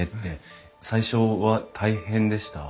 最初は大変でした？